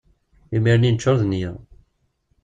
Imir-nni neččur d nneyya.